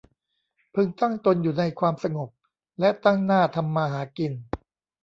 พึงตั้งตนอยู่ในความสงบ และตั้งหน้าทำมาหากิน